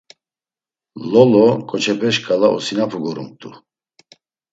Lolo ǩoçepe şǩala osinapu gorumt̆u.